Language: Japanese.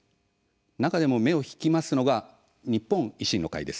中でも目を引くのは日本維新の会です。